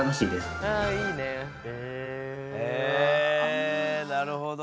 へえなるほど。